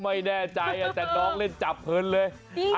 ไม่แน่ใจแต่น้องเล่นจับเพลินเลย